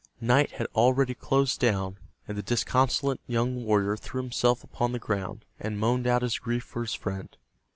Night had already closed down, and the disconsolate young warrior threw himself upon the ground, and moaned out his grief for his friend.